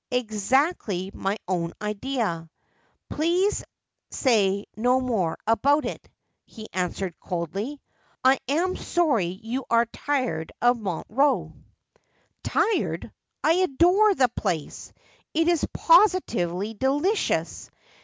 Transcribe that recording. ' Exactly my own idea. Please say no more about it,' he answered coldly. ' I am sorry you are tirtd of Montreux.' ' Tired ! I adore the place. It is positively delicious.